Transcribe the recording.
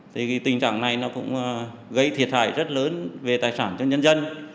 thì tình trạng này nó cũng gây thiệt hại rất lớn về tài sản cho nhân dân